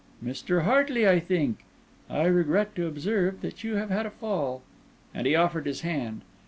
Mr. Hartley, I think. I regret to observe that you have had a fall." And he offered his hand.